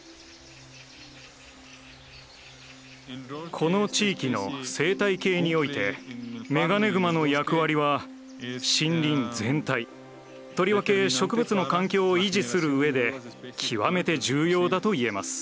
この地域の生態系においてメガネグマの役割は森林全体とりわけ植物の環境を維持するうえで極めて重要だといえます。